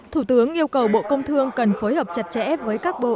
thủ tướng yêu cầu bộ công thương cần phối hợp chặt chẽ với các bộ